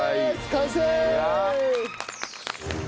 完成！